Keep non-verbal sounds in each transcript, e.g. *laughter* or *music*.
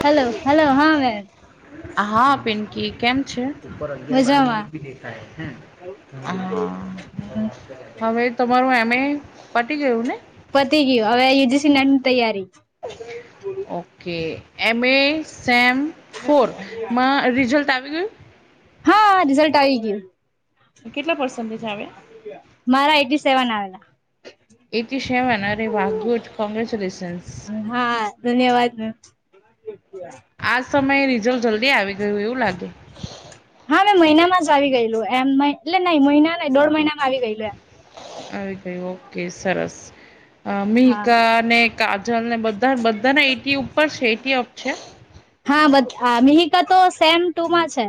Hello hello હા મે હા પિંકી કેમ છે? મજામાં હા હવે તમારું એમ. એ. પટી ગયું ને? પતિ ગયુ હવે યુજીસી નેટ ની તૈયારી ઓકે એમ એ સેમ ફોરમાં રિઝલ્ટ આવી ગયું? હા રિઝલ્ટ આવી ગયુ. કેટલા પર્સન્ટેજ આવ્યા? મારા એઈટી સેવન આવેલા. એન્ટી સેવન અરે વાહ કોંગ્રેચ્યુલેશનસ! ! હા ધન્યવાદ મેમ! ! *inaudible* આ સમયે રિઝલ્ટ જલ્દી આવી ગયું એવું લાગે. હા મેંમ મહિનામાં જ આવી ગયલું એમ એટલે નઈં મહિના ન દોઢ મહિનામાં આવી ગયલું. આવી ગયુ ઓકે સરસ. અ હા મીહિકા ને કાજલ ને બધા બધાના એઈટી ઉપર છે એઈટી અપ છે? હા બ મિહિકા તો સેમ ટુમાં છે.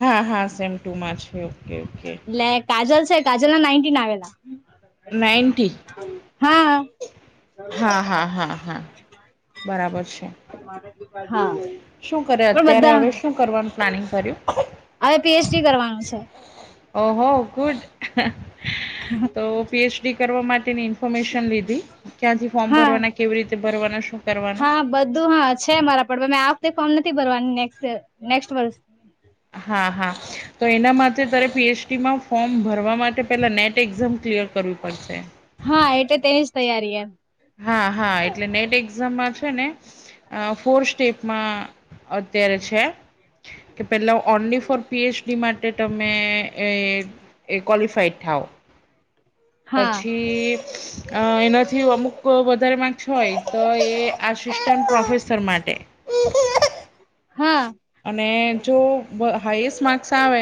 હા હા સેમ ટુમાં છે ઓકે ઓકે એટલે કાજલ છે કાજલ ના નાઇન્ટીન આવેલા નાઇન્ટી? હા હા હા હા હા બરાબર છે. મા *unintelligible* હ શું કરે અત્યારે હવે શું કરવાનું પ્લાનિંગ કર્યું? હવે પીએચડી કરવાનું છે. ઓહો ગુડ! ! હા તો પીએચડી કરવા માટેની ઇન્ફોર્મેશન લીધી ક્યાંથી ફોર્મ હા ભરવાના કેવી રીતે ભરવાના શું? કરવાનું હા બધું હા છે મારા પણ મેં આ વખતે ફોર્મ નથી ભરવાનું નેક્ નેક્સ્ટ વર્ષ હા હા તો એના માટે તરે પીએચડીમાં ફોર્મ ભરવા માટે પેલા નેટ એક્ઝામ ક્લિયર કરવી પડશે. હા એટલે તેની જ તૈયારી એમ હા હા એટલે નેટ એક્ઝામમાં છે ને ફોર સ્ટેપમાં અત્યારે છે. કે પેલા ઓનલી ફોર પીએચડી માટે તમે એ એ ક્વાલીફાઈડ થાવ. હા પછી એનાથી અમુક વધારે ય તો એ આસિસ્ટન્ટ પ્રોફેસર માટે. હા અને જો હાઈએસ્ટ માર્ક્સ આવે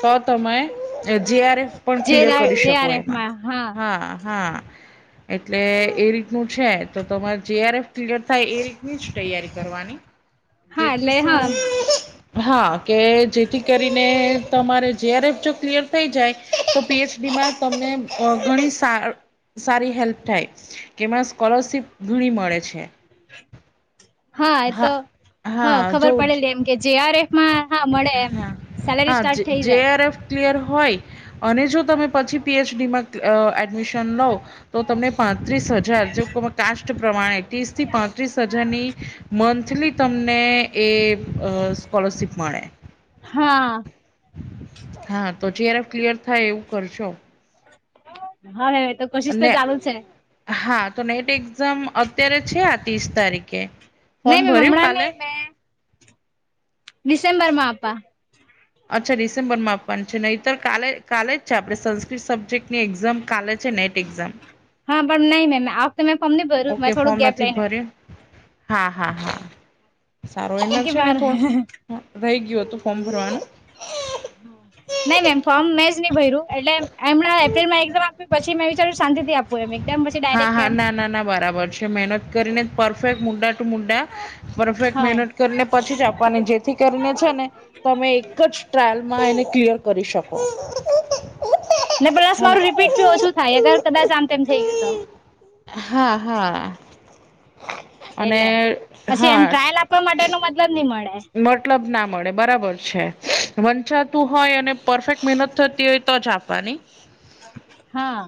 તો તમે જેઆરએફ પણ જે ક્લિયર કરી જે શકો આર એમાં. એફમાં હા હા એટલે એ રીતનું છે તો તમારે જેઆરએફ ક્લિયર થાય એ રીતની જ તૈયારી કરવાની. *inaudible* હા એટલે શું હમ હા કે જેથી કરીને તમારે જેઆરએફ જો ક્લિયર થઈ જાય તો પીએચડીમાં તમને ઘણી સ સારી હેલ્પ થાય કેમાં સ્કોલરશીપ ઘણી મળે છે. હા એ તો હા ખબર પડેલી એમ કે જેઆરએફમાં હા મળે એમ હા સેલેરી હા જે સ્ટાર્ટ થઈ જાય. જેઆરએફ ક્લિયર હોય અને જો તમે પછી પીએચડીમાં એડમિશન લો. તો તમને પાંત્રીસ હજાર જે કાસ્ટ પ્રમાણે ત્રીસ થી પાંત્રીસ હજારની મંથલી તમને એ સ્કોલરશિપ મળે. હા હા તો જેઆરએફ ક્લિયર થાય એવું કરજો. હાવે તો કોશિશ તો અને ચાલુ છે. હા તો નેટ એક્ઝામ અત્યારે છે આ ત્રીસ તારીખે ફોર્મ નહી મેમ ભર્યું હમણાં કાલે નહી મે ડિસેમ્બર માં આપા અચ્છા ડિસેમ્બરમાં આપવાની છે નહીતર કા કાલે જ છે આપણે સંસ્કૃત સબ્જેક્ટ ની એક્ઝામ કાલે જ નેટ એક્ઝામ હા પણ નહી મેમ આ હફતે મેં ફોમ ન ભર્યું ઓકે મેં ફોર્મ થોડું ગેપ નથી લઈને ભર્યું હા હા હા સારો કેમ એમલ કે છે ને મારે થોડ રહી ગયું હતું ફોર્મ ભરવાનું નહી મેમ ફોર્મ મે જ નહ ભય્યું એટલે એમણાં એપ્રિલમાં એકઝામ આપ્યું પછી મેં વિચારું શાંતિ થી આપું એમ એકદમ પછી હા હા ડાયરેક્ટલી એમ ના નાના બરાબર છે મહેનત કરીને પરફેક્ટ મુડા ટુ મુડા પરફેક્ટ હા મહેનત કરીને પછી જ આપવાની જેથી કરીને છે ને તમે એક જ ટ્રાયલમાં એને ક્લિયર કરી શકો ને પ્લસ હને મારું રીપીટ બી ઓછું થાય અગર કદાચ આમ તેમ થઈ ગયું તો હા હા અને એટલે પછી એમ હા ટ્રાયલ આપવા માટે નો મતલબ ન‌ઇ મળે. મતલબ ના મળે બરાબર છે વંચાતું હોય અને પરફેક્ટ મહેનત થતી હોય તો જ આપવાની હ *unintelligible* હા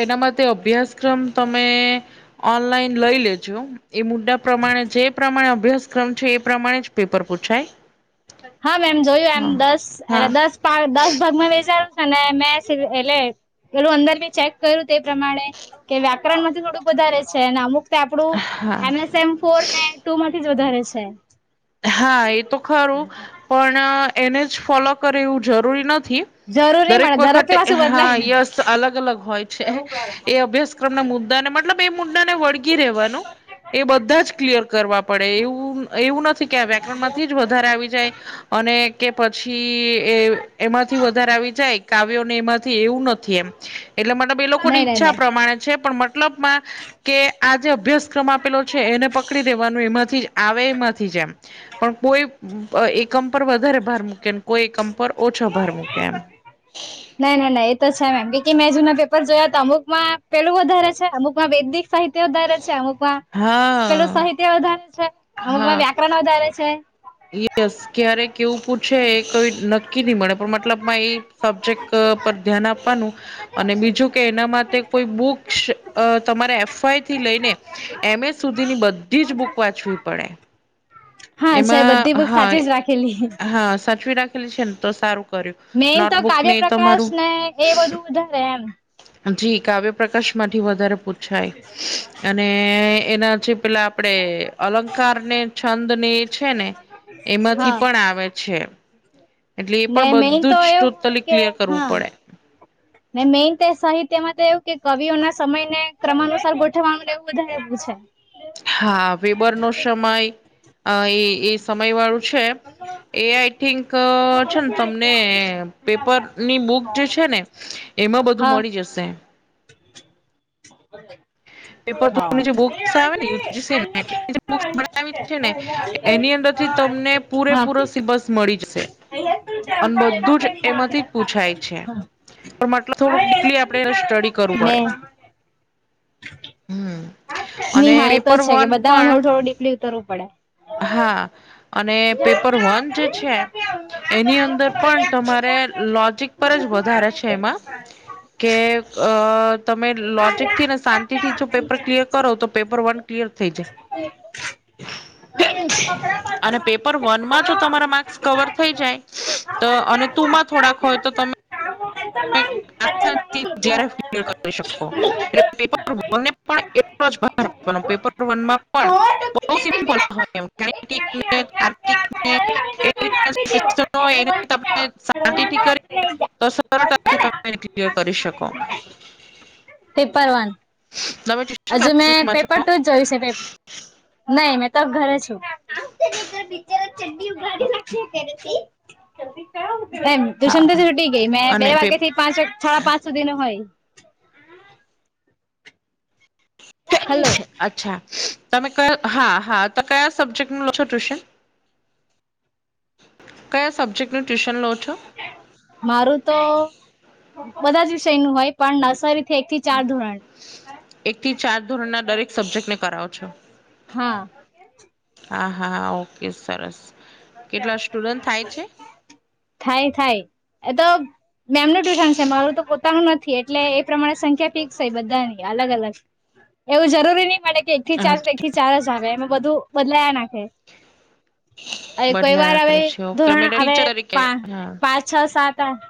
એના માટે અભ્યાસક્રમ તમે ઓનલાઈન લઈ લેજો એ મુદ્દા પ્રમાણે જે પ્રમાણે અભ્યાસક્રમ છે એ પ્રમાણે જ પેપર પૂછાય હા મેમ જોયું એમ હા દસ એ હા દસ દસ ભાગમાં વેચાાર્યું છે ને મેં એટલે પેલું અંદર બી ચેક કર્યું તે પ્રમાણે કે વ્યાકરણ માંથી થોડુંક વધારે છે અનેને અમુક આપડું હા એમએસ એમ ફોર ને ટુ માંથી જ વધારે છે. હા એ તો ખરું પણ એને જ ફોલો કરે એવું જરૂરી નથી. જરૂર નહી દરેક મળે વખતે પાછું હા બદલાય ને. યસ અલગ અલગ હોય છે એ અભ્યાસ ઘર ના મુદ્દા ને મતલબ એ મુદ્દા ને વળગી રહેવાનું એ બધા જ ક્લિયર કરવા પડે એવું એવું નથી કે આ વ્યાકરણ માંથી જ વધારે આવી જાય અને કે પછી એ એમાંથી વધારે આવી જાય કાવ્યો ને એમાંથી એવું નથી એમ એટલે મતલબ એ લોકોની નહી નહી ઈચ્છા નહી પ્રમાણે છે પણ મતલબ મા કે આ જે અભ્યાસક્રમ આપેલો છે એને પકડી દેવાનો એમાંથી જ આવે એમાંથી જ એમ પણ કોઈ એકમ પર વધારે ભાર મૂકે કોઈ એકમ પર ઓછો ભાર મૂકે એમ ના ના ના એ તો છે મેમ બીકી મેં જુના પેપર જોયા તો અમુકમાં પેલું વધારે છે અમુકમાં વૈદિક સાહિત્ય વધારે છે અમુકમાં પેલું હા સાહિત્ય વધારે છે અમુકમાં હા વ પણ વધારે છે. યસ ક્યારે કેવું પૂછે એ કઈ નક્કી નહી મળે પણ મતલબમાં એ સબ્જેક્ટ પર ધ્યાન આપવાનું. અને બીજું કે એના માટે કોઈ બુકસ અ તમારે એફઆઈ થી લઈને. એમ સ સુધીની બધી જ બુક વાંચવી પડે. હા છે એમાં બધી બુક હા સાચી જ રાખેલી હા સાચવી રાખ છે ને તો સારું કર્યું મેઈન તો નોટબુક ને કાવ્ય પ્રકાશ તમારું ને એ બધું વધારે એમ જી કાવ્ય પ્રકાશ માંથી વધારે પૂછાય અને એ એનાથી પેલા આપડે અલંકાર ને છંદ ને છે ને એમાંથી હા પણ આવે છે. એટલે એ ને પણ મેઈન બધું તો જ એવું હોય ટોટલી કે ક્લિયર કરવું હા પડે‌. ને મેઈન તો સાહિત્યમાં તો એવું કે કવિઓના સમય ને ક્રમાકસર ગોઠવાનું એવું વધારે એવું છે. હા વેબરનો સમય અ એ એ સમય વાળું છે. એ આઈ થિંક છે ને તમને પેપરની બુક જે છે ને એમાં બધું હા મળી જશે. પેપર જે હા બુક્સ આવે બે ને બુક્સ બનાવી છે ને એની અંદર થી તમને પૂરેપૂરો સિબસ મળી જશે અને બધું જ એમાંથી જ પૂછાય છે. મતલબ થોડુંક ડિપલી આપડે સ્ટડી કરવું પડે. હમ નહી અને હા એ તો જ પેપર છે કે વન બધામાં પણ થોડું થોડું ડીપલી ઉતરવું પડે હા અને પેપર વન જે છે, એની અંદર પણ તમારે લોજિક પર જ વધારે છે એમાં કે અ તમે લોજિકથી ને શાંતિ થી જો પેપર ક્લિયર કરો તો પેપર વર્ક ક્લિયર થઈ જાય. *unintelligible* અને પેપર વન માં જો તમારા માર્ક્સ કવર થઈ જાય તો અને ટુમાં થોડાક હોય તો તમે *unintelligible* એ પેપ વને પણ એટલો જ ભાર આપવાનો પેપર વનમાં પણ બહુ સિમ્પલ હોય એને તાર્કિકને એ તને શાંતિથી કરી *unintelligible* સરતાથી તમે ક્લીયર કરી શકો. પેપર વન તમે ટ્યુશન હજે મેં ક્લાસીસમાં પેપર છો જોય છે, નહી મેં તો ઘરે છું. ઓકે એમ દુસનથી આહા. છૂટી ગઈ મેં અને બે વાગ્યા પેપ- થી પાંચ સાડા પાંચ સુધી નો હોય. હલો અચ્છા તમે ક હા હા તો કયા સબ્જેક્ટ ન લો છો ટ્યુશન કયા સબ્જેક્ટનું ટ્યુશન લો છો, મારું તો બધા જ વિષયનું હોય પણ નાસારી એક થી ચાર ધોરણ એક થી ચાર ધોરણના દરેક સબ્જેક્ટને કરાવો છો. હા હા હા હા ઓકે સરસ કેટલા સ્ટુડન્ટ થાય છે. થાય થાય એ તો મેમનું ટ્યુશન છે મારું તો પોતાનું નથી એટલે એ પ્રમાણે સંખ્યા ફિક્સ હોય બધાની અલગ અલગ એવું જરૂરી નહી મળે કે એક થી ચાર એક અચ્છા, થી ચાર જ આવે એમાં બધું બદલાયા નાખે. હવે કોઈ વાર બદલાયા હવે કરે છે, ઓકે ધોરણ હવે ટીચર તરીકે પા હા પાંચ છ સાત આઠ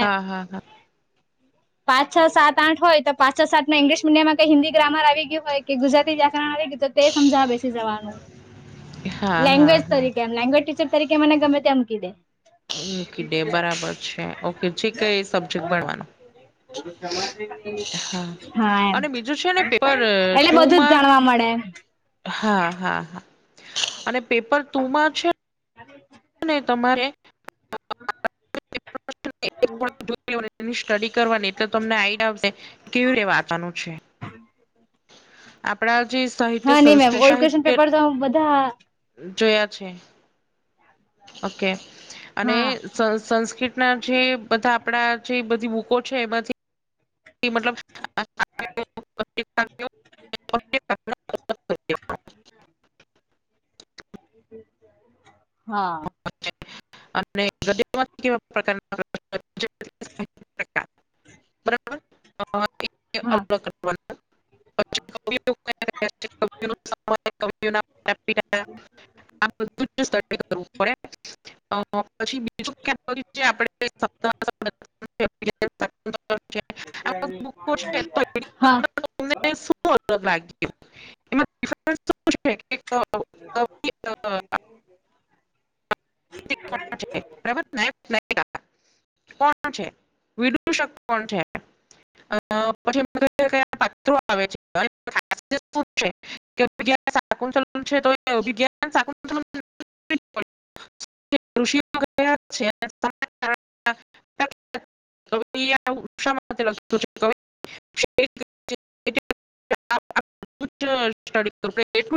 હા હા હા પાંચ, છ, સાત, આઠ હોય તો પાં છ સાત ઇંગ્લિશ મીડિયમમાં કઈ હિન્દી, ગ્રામર, ગયું હોય કે ગુજરાતી વ્યાકરણ તો તે સમજાવે છે જવાનું હા હા લેંગ્વેજ હા તરીકે લેંગ્વેજ ટીચર તરીકે મને ગમે તેમ ક દે મૂકી ડે બરાબર છે, ઓકે જે કઈ સબ્જેક્ટ ભણવાનો *unintelligible* હા એમ અને બીજું છે ને પેપર એટલે બધું જ ટુમાં જાણવા મળે. હા હા હા અને પેપર તુંમાં છે *inaudible* ને તમારે *inaudible* *unintelligible* એની સ્ટડી કરવાની એટલે તમને આઈડિયા આવશે કેવી રે વાવાનું છે આપણા જે સાહિત્ય હા નહી મેમ સંસ્કૃત ઓલ્ડ ક્વેશ્ચન સાહિત્ય પેપર તો બધા જોયા છે ઓકે અને હા સંસ્કૃત ના જે બધા આપણા જે બધી બુકો છે એમાંથી મતલબ *unintelligible* હા *unintelligible* બરાબર હા *unintelligible* *unintelligible* *unintelligible* *unintelligible* શાકુંતલમ છે આ બધી બુકો છે તો એની હા *unintelligible* અ, હ *unintelligible* કોણ છે વિદુષક કોણ છે? અ પછી એમ કયા પાત્રો આવે છે *unintelligible* કે સાકુંલ છે તો વિ સાકું *unintelligible* ઋષિમાં છે અને ઉત્સાસ્ *unintelligible* સ્ટડી કર *unintelligible*